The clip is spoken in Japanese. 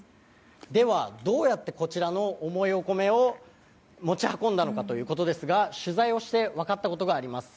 では、どうやってこちらの重いお米を持ち運んだのかということですが取材をして分かったことがあります。